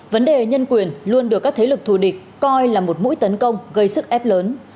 vấn đề nhân quyền luôn được các thế lực thù địch coi là một mũi tấn công gây sức ép lớn